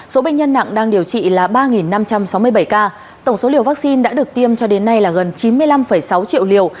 số bệnh nhân nặng đang điều trị là ba năm trăm sáu mươi bảy ca tổng số liều vaccine đã được tiêm cho đến nay là gần chín mươi năm sáu triệu liều